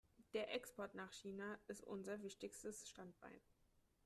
Der Export nach China ist unser wichtigstes Standbein.